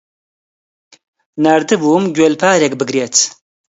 ناردبووم گوێلپارێک بگرێت.